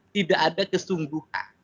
tidak ada kesungguhan